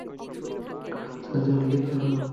আচ্ছা, জলদি করো।